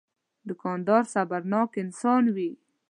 دوکاندار صبرناک انسان وي.